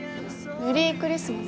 メリークリスマス！